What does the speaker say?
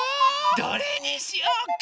どれにしようか？